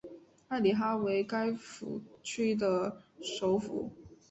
埃里哈为该区的首府。